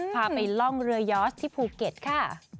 พาไปล่องเรือยอสที่ภูเก็ตค่ะ